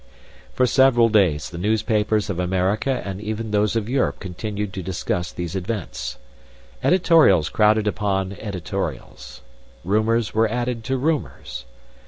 For several days the newspapers of America and even those of Europe continued to discuss these events. Editorials crowded upon editorials. Rumors were added to rumors.